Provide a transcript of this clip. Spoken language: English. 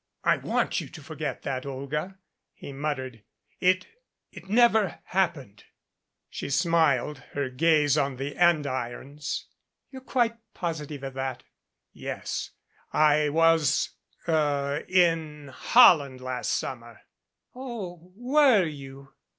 "I want you to forget that, Olga," he muttered. "It it never happened." She smiled, her gaze on the andirons. "You're quite positive of that?" "Yes. I was er in Holland last summer." "Oh, were you?"